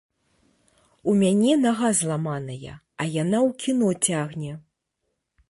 У мяне нага зламаная, а яна ў кіно цягне!